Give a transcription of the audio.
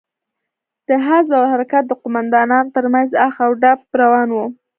د حزب او حرکت د قومندانانو تر منځ اخ و ډب روان و.